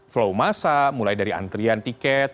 flow masa mulai dari antrian tiket